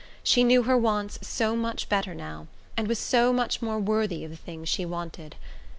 She knew her wants so much better now, and was so much more worthy of the things she wanted!